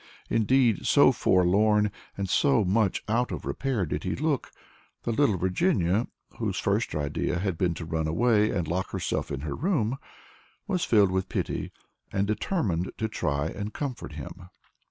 Indeed, so forlorn, and so much out of repair did he look, that little Virginia, whose first idea had been to run away and lock herself in her room, was filled with pity, and determined to try and comfort him.